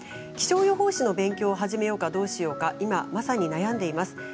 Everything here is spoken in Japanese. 気象予報士の勉強を始めようかどうしようか今、まさに悩んでいます。